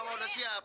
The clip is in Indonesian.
wah udah siap